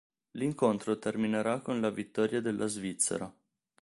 L'incontro terminerà con la vittoria della Svizzera.